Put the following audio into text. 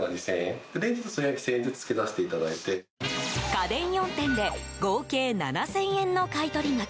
家電４点で合計７０００円の買い取り額。